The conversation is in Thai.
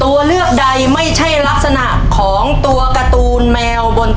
ตัวเลือกใดไม่ใช่ลักษณะของตัวการ์ตูนแมวบน